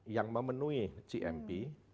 yang memenuhi gmp